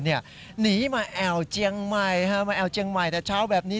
หนีมาแอวเจียงใหม่มาแอวเจียงใหม่แต่เช้าแบบนี้